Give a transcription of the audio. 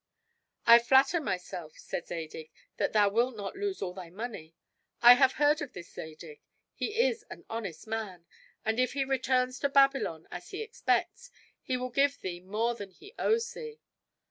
"I flatter myself," said Zadig, "that thou wilt not lose all thy money. I have heard of this Zadig; he is an honest man; and if he returns to Babylon, as he expects, he will give thee more than he owes thee.